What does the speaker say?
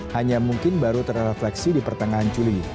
hanya mungkin baru terefleksi di pertengahan juli